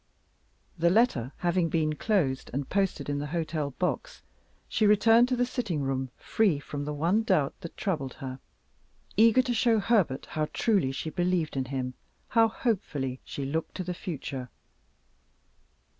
The letter having been closed, and posted in the hotel box, she returned to the sitting room free from the one doubt that had troubled her; eager to show Herbert how truly she believed in him, how hopefully she looked to the future.